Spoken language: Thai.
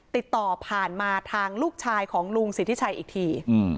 ติดต่อผ่านมาทางลูกชายของลุงสิทธิชัยอีกที